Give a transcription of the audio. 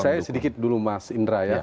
jadi saya sedikit dulu mas indra ya